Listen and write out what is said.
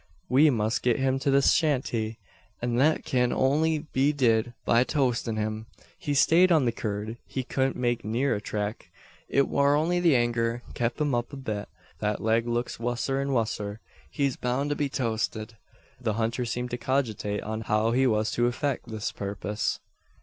We must git him to the shanty, an that kin only be did by toatin' him. He sayed on the curd, he cudn't make neer a track. It war only the anger kep' him up a bit. That leg looks wusser and wusser. He's boun to be toated." The hunter seemed to cogitate on how he was to effect this purpose.